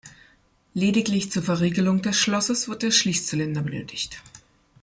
Lediglich zur Verriegelung des Schlosses wird der Schließzylinder benötigt.